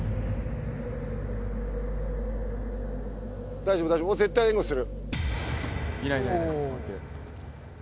大丈夫大丈夫、絶対援護する。